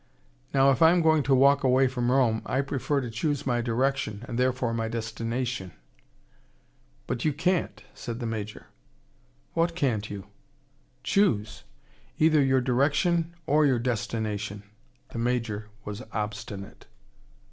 Now if I am going to walk away from Rome, I prefer to choose my direction, and therefore my destination." "But you can't," said the Major. "What can't you?" "Choose. Either your direction or your destination." The Major was obstinate.